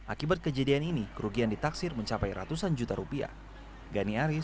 akibat kejadian ini kerugian ditaksir mencapai ratusan juta rupiah